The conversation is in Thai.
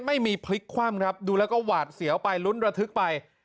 พลิกคว่ำครับดูแล้วก็หวาดเสียวไปลุ้นระทึกไป